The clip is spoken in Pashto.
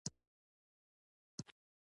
ژبپوهان د هغه ژبنې پديده